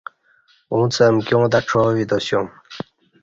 اُݩڅ امکیاں تہ څا ویتاسیوم